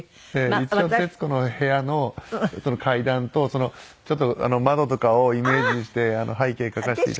一応『徹子の部屋』の階段とちょっと窓とかをイメージして背景描かせて頂きました。